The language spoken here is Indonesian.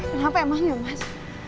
kenapa emangnya mas